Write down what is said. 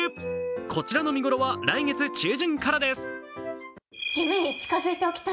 こちらの見頃は来月中旬からです。